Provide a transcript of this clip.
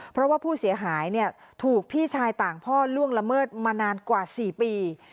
เพราะว่าผู้เสียหายถูกพี่ชายต่างพ่อล่วงละเมิดมานานกว่า๔ปี